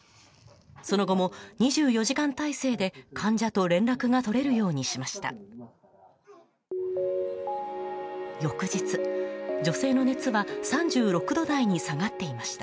その後も２４時間体制で患者と連絡が取れるようにしました。